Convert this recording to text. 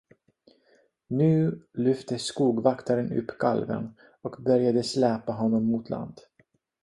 Nu lyfte skogvaktaren upp kalven och började släpa honom mot land.